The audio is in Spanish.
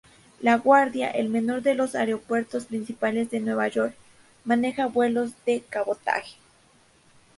LaGuardia, el menor de los aeropuertos principales de Nueva York, maneja vuelos de cabotaje.